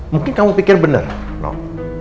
mungkin kamu pikir benar nok